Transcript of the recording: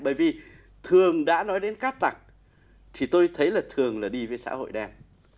bởi vì thường đã nói đến cát tặc thì tôi thấy là thường là đi với xã hội đen